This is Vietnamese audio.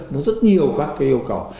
nó rất nhiều các cái yêu cầu